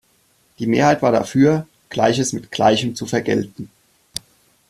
Die Mehrheit war dafür, Gleiches mit Gleichem zu vergelten.